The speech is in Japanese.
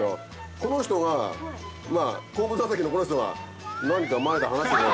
この人が後部座席のこの人が「何か前で話してるな」。